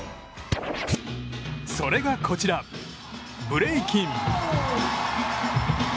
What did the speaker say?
それがこちら、ブレイキン。